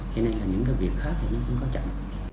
thế nên là những cái việc khác thì nó cũng có chậm